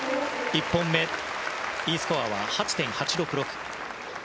１本目、Ｅスコアは８．８６６。